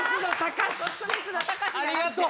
ありがとう。